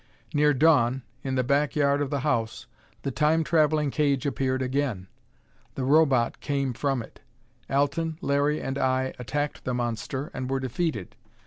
Near dawn, in the back yard of the house, the Time traveling cage appeared again! The Robot came from it. Alten, Larry and I attacked the monster, and were defeated.